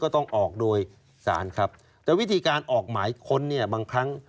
แต่วิธีการออกหมายค้นบางครั้ง